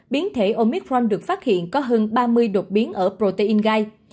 biến thể omitforn được phát hiện có hơn ba mươi đột biến ở protein gai